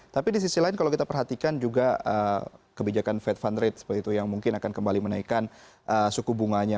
tapi di sisi lain kalau kita perhatikan juga kebijakan fed fund rate seperti itu yang mungkin akan kembali menaikkan suku bunganya